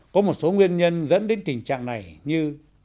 có một số nguyên nhân dẫn đến tình trạng này như